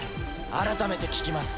改めて聞きます。